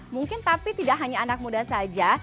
mungkin tapi tidak hanya anak muda saja